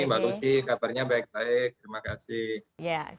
mbak lucy kabarnya baik baik terima kasih